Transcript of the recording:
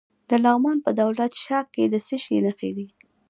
د لغمان په دولت شاه کې د څه شي نښې دي؟